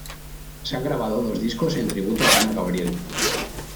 Se han grabado dos discos en tributo a Ana Gabriel.